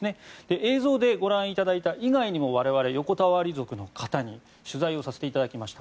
映像でご覧いただいた以外にも我々、横たわり族の方に取材をさせていただきました。